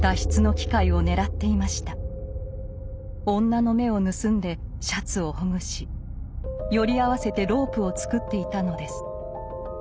女の目を盗んでシャツをほぐしより合わせてロープを作っていたのです。